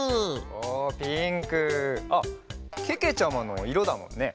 おおピンク！あっけけちゃまのいろだもんね。